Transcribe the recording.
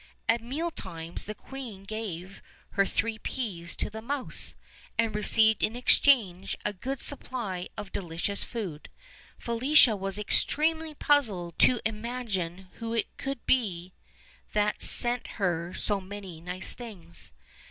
At meal times the queen gave her three peas to the mouse, and received in exchange a good supply of delicious food. Felicia was extremely puzzled to imagine who it could be that sent her so many nice things.